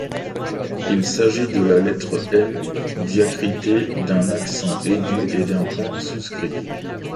Il s’agit de la lettre M diacritée d’un accent aigu et d’un point souscrit.